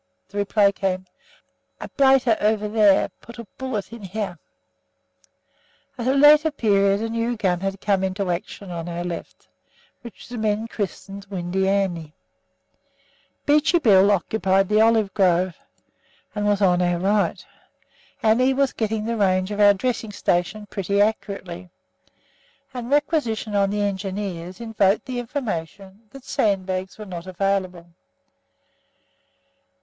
The reply came, "A blightah ovah theah put a bullet in heah." At a later period a new gun had come into action on our left, which the men christened "Windy Annie." Beachy Bill occupied the olive grove, and was on our right. Annie was getting the range of our dressing station pretty accurately, and requisition on the Engineers evoked the information that sandbags were not available.